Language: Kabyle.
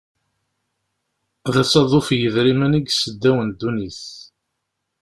D asaḍuf n yidrimen i yesseddawen ddunit.